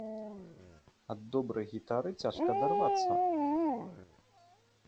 Ад добрай гітары цяжка адарвацца.